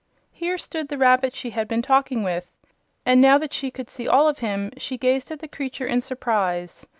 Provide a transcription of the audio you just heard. Here stood the rabbit she had been talking with, and now that she could see all of him, she gazed at the creature in surprise.